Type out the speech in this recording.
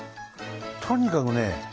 とにかくね